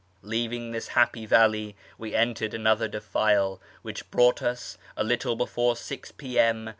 Leaving this happy valley we entered another defile, which brought us, a little before 6 P.M.